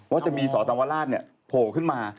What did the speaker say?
ว่าจะมีสตนวราชเนี่ยโผล่ขึ้นมา